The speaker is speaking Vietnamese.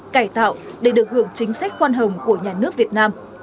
cải tạo để được hưởng chính sách khoan hồng của nhà nước việt nam